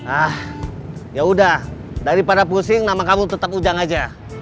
ah ya udah daripada pusing nama kamu tetap ujang aja